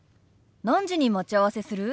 何時に待ち合わせする？